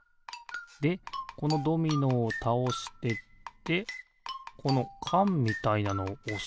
でこのドミノをたおしてってこのかんみたいなのをおすってことか。